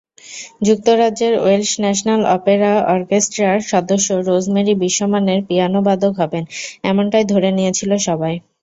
যুক্তরাজ্যের Welsh national opera অর্কেস্ট্রার সদস্য রোজমেরি বিশ্বমানের পিয়ানোবাদক হবেন—এমনটাই ধরে নিয়েছিল সবাই।